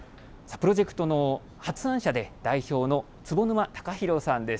プロジェクトの発案者で、代表の坪沼敬広さんです。